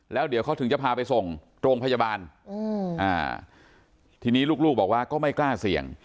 แล้วเดี๋ยวเขาถึงจะพาไปส่งโรงพยาบาลทีนี้ลูกบอกว่าก็ไม่กล้าเสี่ยง